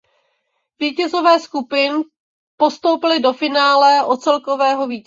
Vítězové skupin postoupili do finále o celkového vítěze.